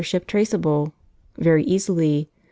ship traceable? Very easily.